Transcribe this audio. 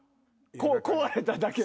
壊れただけで。